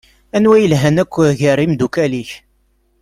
Anwa yelhan akk gar imdukal-ik?